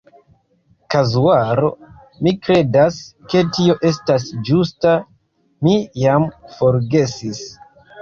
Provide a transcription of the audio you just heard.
Kazuaro. Mi kredas, ke tio estas ĝusta, mi jam forgesis.